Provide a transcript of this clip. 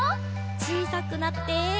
ちいさくなって。